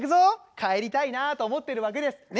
帰りたいなと思ってるわけですね。